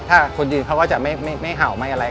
ถ้าคนยืนเขาก็จะไม่เห่าไม่อะไร